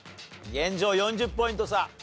現状４０ポイント差。